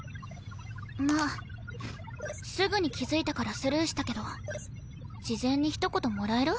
ますぐに気付いたからスルーしたけど事前に一言もらえる？